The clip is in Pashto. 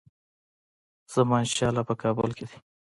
زمانشاه لا په کابل کې دی.